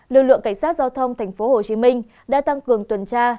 lực lượng cảnh sát giao thông tp hcm đã tăng cường tuần tra